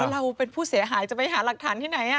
เราเป็นผู้เสียหายจะไปหาหลักฐานที่ไหน